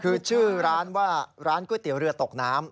คือชื่อร้านว่าร้านก๋วยเตี๋ยวเรือตกน้ำ